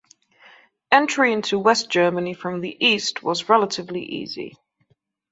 Entry into West Germany from the East was relatively easy.